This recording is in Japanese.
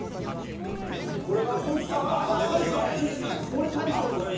これ大将です。